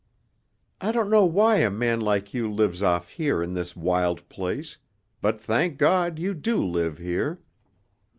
"I don't know why a man like you lives off here in this wild place, but thank God, you do live here!